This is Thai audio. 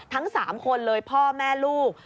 ทั้ง๓คนเลยพ่อแม่ลูก